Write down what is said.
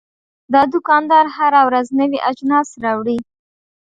دا دوکاندار هره ورځ نوي اجناس راوړي.